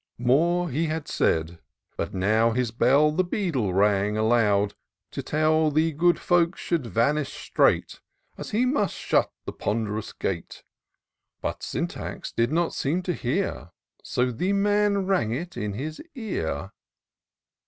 '* More he had said — ^but now his bell The Beadle rang aloud, to tell That the good folks should vanish straight, As he must shut the pond'rous gate ; But Syntax did not seem to hear — So the man rang it in his ear.